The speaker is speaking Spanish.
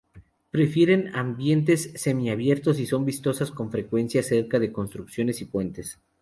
Prefieren ambientes semi-abiertos y son vistas con frecuencia cerca de construcciones y puentes.